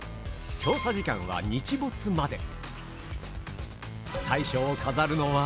調査時間は日没まで。